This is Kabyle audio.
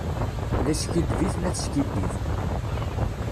D askiddeb i tella tiskiddib.